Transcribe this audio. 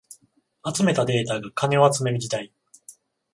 集めたデータが金を集める時代